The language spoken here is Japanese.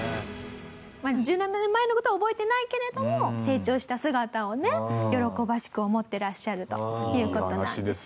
１７年前の事は覚えてないけれども成長した姿をね喜ばしく思ってらっしゃるという事なんですよ。